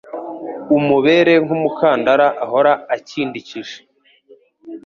umubere nk’umukandara ahora akindikije